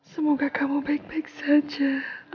semoga kamu baik baik saja